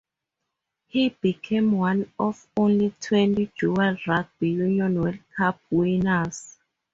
He became one of only twenty dual Rugby Union World Cup winners.